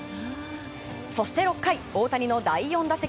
そして６回、大谷の第４打席。